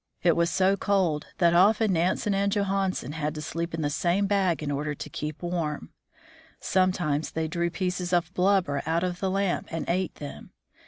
It was so cold that often Nansen and Johansen had to sleep in the same bag in order to keep warm. Sometimes they drew pieces of blubber out of the lamp and ate them.